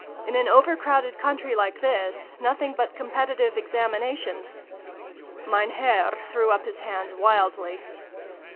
" In an over crowded country like this, nothing but Competitive Examinations Mein Herr threw up his hands wildly.